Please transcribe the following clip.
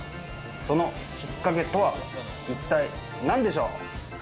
そのきっかけとは一体なんでしょう。